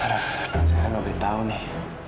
aduh saya gak tahu nih